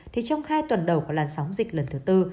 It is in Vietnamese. thì trong hai tuần đầu của làn sóng dịch lần thứ tư